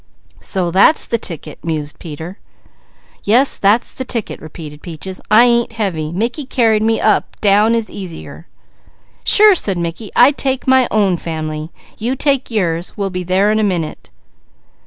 "So that's the ticket!" mused Peter. "Yes, that's the ticket," repeated Peaches. "I ain't heavy. Mickey carried me up, down is easier." "Sure!" said Mickey. "I take my own family. You take yours. We'll be there in a minute."